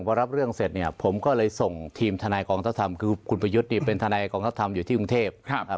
พอรับเรื่องเสร็จเนี่ยผมก็เลยส่งทีมทนายกองทัพธรรมคือคุณประยุทธ์เนี่ยเป็นทนายกองทัพธรรมอยู่ที่กรุงเทพครับ